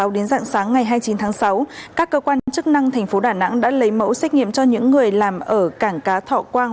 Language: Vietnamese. đến dạng sáng ngày hai mươi chín tháng sáu các cơ quan chức năng thành phố đà nẵng đã lấy mẫu xét nghiệm cho những người làm ở cảng cá thọ quang